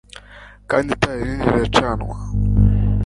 Kandi itara rinini riracanwa